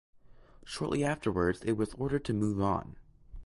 Shortly afterwards it was ordered to move on.